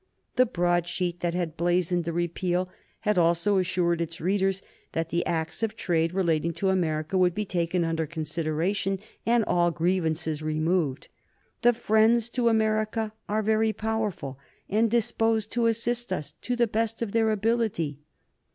The broadsheet that had blazoned the repeal had also assured its readers that the Acts of Trade relating to America would be taken under consideration and all grievances removed. "The friends to America are very powerful and disposed to assist us to the best of their ability."